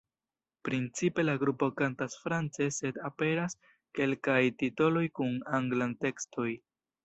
Principe la grupo kantas france sed aperas kelkaj titoloj kun anglan tekstoj.